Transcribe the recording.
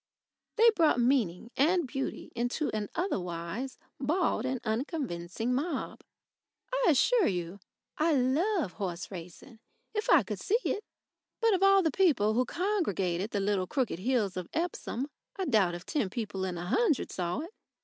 They brought meaning and beauty into an otherwise bald and unconvincing mob. I assure you I love horse racing if I could see it. But of all the people who congregated the little crooked hills of Epsom, I doubt if ten people in a hundred saw it.